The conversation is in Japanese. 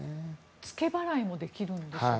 付け払いもできるんですよね。